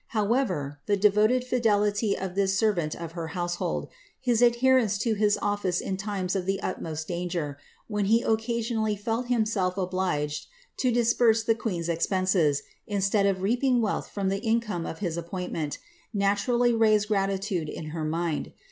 However, the devoted fidelity of this servant of her household, his adherence to his office in times of the utmost danger, when he occasionally felt himself obliged to disburse the queen's expenses, instead of reaping wealth from the in come of his appointment, naturally raised gratitude in her mind.